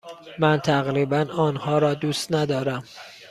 من تقریبا آنها را دوست ندارم.